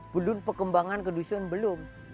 belum perkembangan ke dusun belum